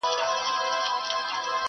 نن ځم له لېونو څخه به سوال د لاري وکم.!